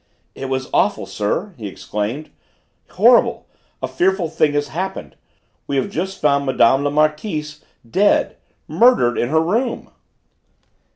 "It is awful, sir," he exclaimed: "horrible: a fearful thing has happened. We have just found Mme. la Marquise dead murdered in her room!"